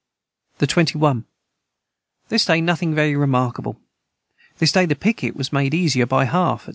the 21. This day Nothing very remarkable this day the piquet was made easier by half &c.